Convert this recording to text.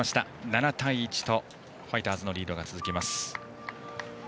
７対１とファイターズのリードが続きます。